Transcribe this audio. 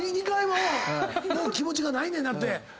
２回ももう気持ちがないねんなって。